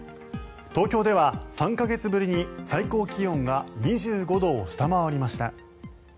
東京では３か月ぶりに最高気温が２５度を下回りました。